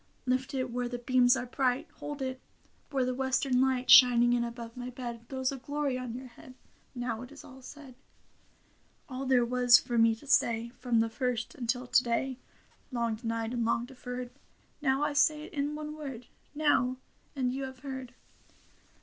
Lift it where the beams are bright ; Hold it where the western light. Shining in above my bed. Throws a glory on your head. Now it is all said. All there was for me to say From the first until to day. Long denied and long deferred. Now I say it in one word — Now ; and you have heard.